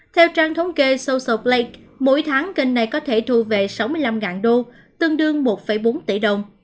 theo trang thống kê soso play mỗi tháng kênh này có thể thu về sáu mươi năm đô tương đương một bốn tỷ đồng